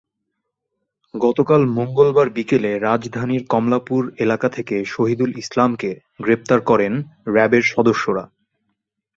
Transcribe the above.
গতকাল মঙ্গলবার বিকেলে রাজধানীর কমলাপুর এলাকা থেকে শহিদুল ইসলামকে গ্রেপ্তার করেন র্যাবের সদস্যরা।